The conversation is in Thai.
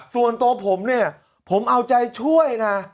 ส่วนตัวผมเนี่ยผมเอาใจช่วยนะ